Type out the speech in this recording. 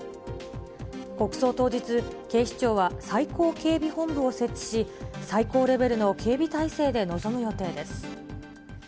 国葬当日、警視庁は最高警備本部を設置し、最高レベルの警備体制で臨む予定です。